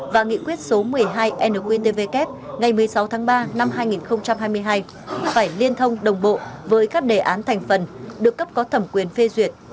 và nghị quyết số một mươi hai nqtvk ngày một mươi sáu tháng ba năm hai nghìn hai mươi hai phải liên thông đồng bộ với các đề án thành phần được cấp có thẩm quyền phê duyệt